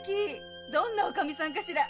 どんなおかみさんかしら？